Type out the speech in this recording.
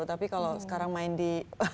tapi kalau sekarang main di